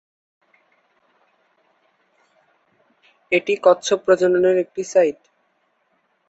এটি কচ্ছপ প্রজননের জন্য একটি সাইট।